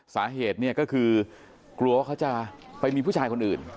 สาเหตุเนี่ยก็คือกลัวว่าเขาจะไปมีผู้ชายคนอื่น